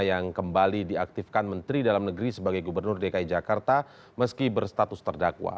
yang kembali diaktifkan menteri dalam negeri sebagai gubernur dki jakarta meski berstatus terdakwa